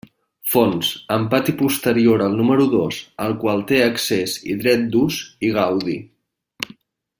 Fons: amb pati posterior al número dos al qual té accés i dret d'ús i gaudi.